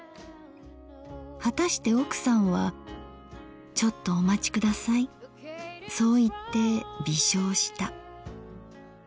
はたして奥さんは『ちょっとお待ちください』そう言って微笑した。